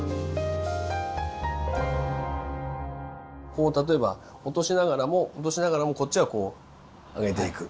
こう例えば落としながらも落としながらもこっちはこう上げていく。